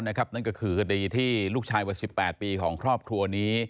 นั่นก็คือคดีที่ลูกชายวัย๑๘ปีของครอบครัวนี้